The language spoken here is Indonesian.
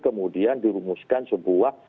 kemudian dirumuskan sebuah